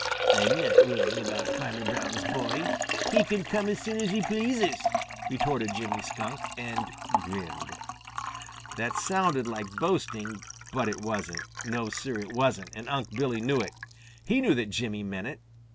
"I'm not worrying about Farmer Brown's boy. He can come as soon as he pleases," retorted Jimmy Skunk, and grinned. That sounded like boasting, but it wasn't. No, Sir, it wasn't, and Unc' Billy knew it. He knew that Jimmy meant it.